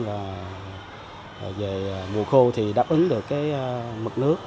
về mùa khô thì đáp ứng được mực nước